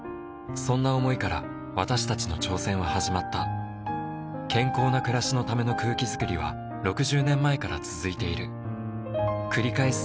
そんな想いから私たちの挑戦は始まった健康な暮らしのための空気づくりは６０年前から続いている繰り返す